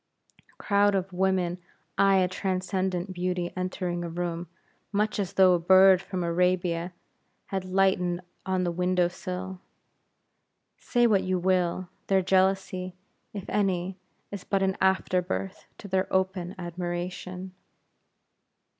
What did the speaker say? A crowd of women eye a transcendent beauty entering a room, much as though a bird from Arabia had lighted on the window sill. Say what you will, their jealousy if any is but an afterbirth to their open admiration.